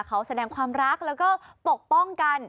เขาแสดงความรักแล้วก็ปกป้องกัน